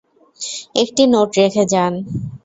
একটি নোট রেখে যান।